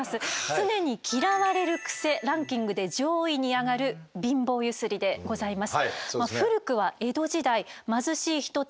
常に嫌われるクセランキングで上位に挙がる貧乏ゆすりでございます。